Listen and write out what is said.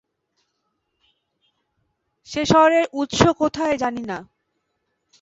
সে স্বরের উৎস কোথায় জানি না।